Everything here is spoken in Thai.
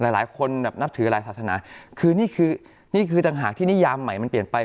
หลายคนแบบนับถือหลายศาสนาคือนี่คือนี่คือต่างหากที่นิยามใหม่มันเปลี่ยนไป